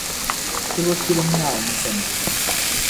Ti bi fiɛlim Naawuni sani.